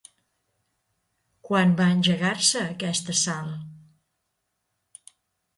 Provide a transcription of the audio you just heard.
Quan va engegar-se aquest assalt?